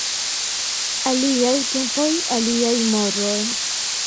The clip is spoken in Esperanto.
Aliaj tempoj, aliaj moroj.